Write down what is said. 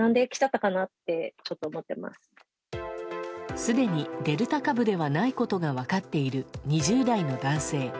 すでにデルタ株ではないことが分かっている２０代の男性。